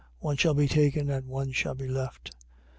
One shall be taken and one shall be left.